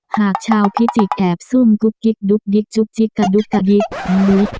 หากชาวพิจิกแอบซุ่มกุ๊กกิ๊กดุ๊กดิ๊กจุ๊กจิ๊กกระดุ๊กกระดิ๊กดุ๊ก